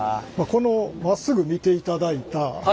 このまっすぐ見ていただいた